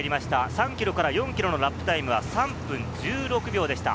３ｋｍから４ｋｍのラップタイムは３分１６秒でした。